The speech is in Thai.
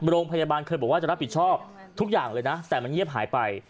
โรงพยาบาลเคยบอกว่าจะรับผิดชอบทุกอย่างเลยนะแต่มันเงียบหายไป